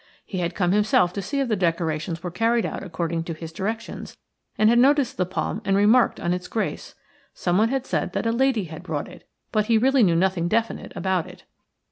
He had come himself to see if the decorations were carried out according to his directions, and had noticed the palm and remarked on its grace. Someone had said that a lady had brought it, but he really knew nothing definite about it.